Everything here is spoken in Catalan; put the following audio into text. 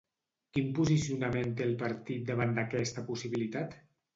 Quin posicionament té el partit davant d'aquesta possibilitat?